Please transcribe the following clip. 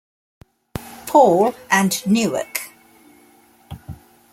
Paul, and Newark.